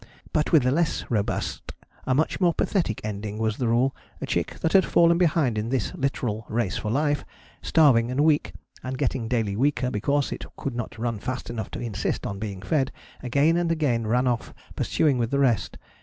But with the less robust a much more pathetic ending was the rule. A chick that had fallen behind in this literal race for life, starving and weak, and getting daily weaker because it could not run fast enough to insist on being fed, again and again ran off pursuing with the rest.